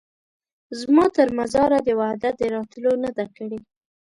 زما تر مزاره دي وعده د راتلو نه ده کړې